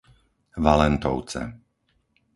Valentovce